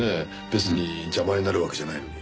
別に邪魔になるわけじゃないのに。